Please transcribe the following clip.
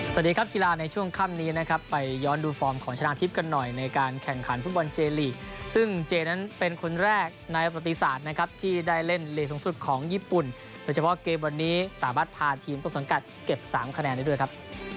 สวัสดีครับกีฬาในช่วงค่ำนี้นะครับไปย้อนดูฟอร์มของชนะทิพย์กันหน่อยในการแข่งขันฟุตบอลเจลีกซึ่งเจนั้นเป็นคนแรกในประติศาสตร์นะครับที่ได้เล่นลีกสูงสุดของญี่ปุ่นโดยเฉพาะเกมวันนี้สามารถพาทีมต้นสังกัดเก็บ๓คะแนนได้ด้วยครับ